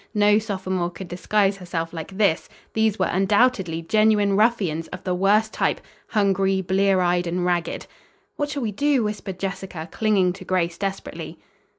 No sophomore could disguise herself like this. These were undoubtedly genuine ruffians of the worst type, hungry, blear eyed and ragged. "What shall we do?" whispered Jessica, clinging to Grace desperately.